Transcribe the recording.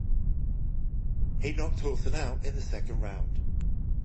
He knocked Howson out in the second round.